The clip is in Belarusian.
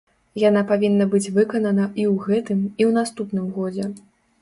Яна павінна быць выканана і ў гэтым, і ў наступным годзе.